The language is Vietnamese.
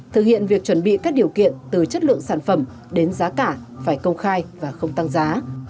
thực hiện việc chuẩn bị các điều kiện từ chất lượng sản phẩm đến giá cả phải công khai và không tăng giá